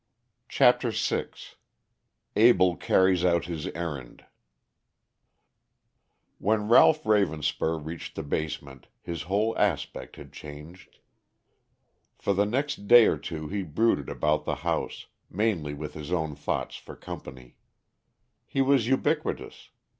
CHAPTER VI ABELL CARRIES OUT HIS ERRAND When Ralph Ravenspur reached the basement, his whole aspect had changed. For the next day or two he brooded about the house, mainly with his own thoughts for company. He was ubiquitous.